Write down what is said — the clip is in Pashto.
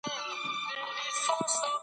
له همدې امله غوښه وچه ساتل کېږي.